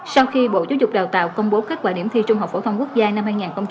sau khi bộ chú trục đào tạo công bố kết quả điểm thi trung học phổ thông quốc gia năm hai nghìn một mươi chín